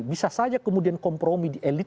bisa saja kemudian kompromi di elit